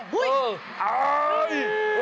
เฮ้ย